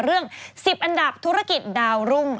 เรื่อง๑๐อันดับธุรกิจดาวรุ่ง